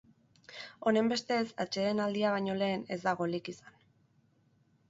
Honenbestez, atsedenaldia baino lehen ez da golik izan.